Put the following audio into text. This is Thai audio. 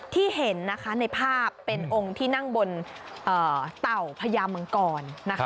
ที่เห็นนะคะในภาพเป็นองค์ที่นั่งบนเต่าพญามังกร